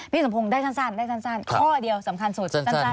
พี่สมพงษ์ได้สั้นข้อเดียวสำคัญส่วนสั้น